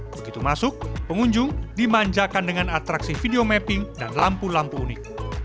begitu masuk pengunjung dimanjakan dengan atraksi video mapping dan lampu lampu unik